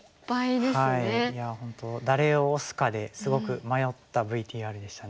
いや本当誰を推すかですごく迷ったＶＴＲでしたね。